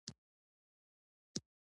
هېڅکله هم د شاخ د ماتېدو په ویره کې نه وي.